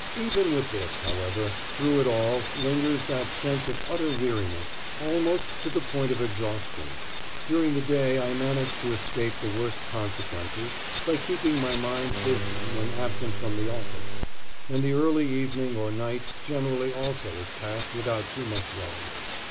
Even with this, however, through it all lingers that sense of utter weariness, almost to the point of exhaustion. During the day I manage to escape the worst consequences by keeping my mind busy when absent from the office, and the early evening or night generally also is passed without too much worry.